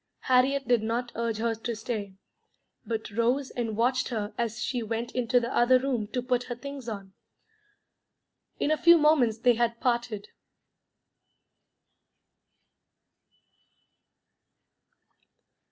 Harriet did not urge her to stay, but rose and watched her as she went into the other room to put her things on. In a few moments they had parted.